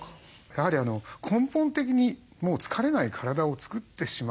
やはり根本的にもう疲れない体を作ってしまおうと。